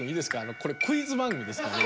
これクイズ番組ですからね。